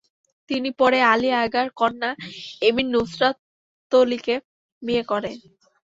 তিনি পরে আলি আগার কন্যা এমিন নুসরাতলিকে বিয়ে করেন।